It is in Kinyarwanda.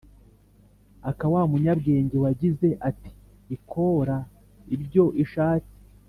aka wa munyabwenge wagize ati : ikora ibyo ishatse